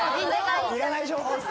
いらない情報です。